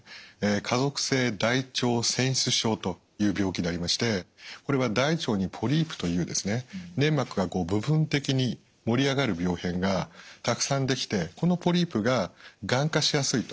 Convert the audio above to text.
家族性大腸腺腫症という病気でありましてこれは大腸にポリープという粘膜が部分的に盛り上がる病変がたくさんできてこのポリープががん化しやすいと。